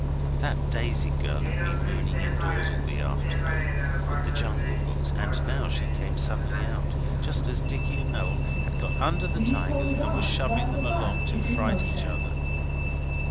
That Daisy girl had been mooning indoors all the afternoon with the Jungle Books, and now she came suddenly out, just as Dicky and Noel had got under the tigers and were shoving them along to fright each other.